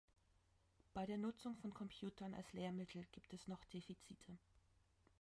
Bei der Nutzung von Computern als Lehrmittel gibt es noch viele Defizite.